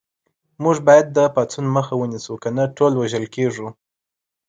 موږ باید د پاڅون مخه ونیسو کنه ټول وژل کېږو